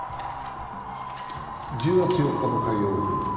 １０月４日の火曜日。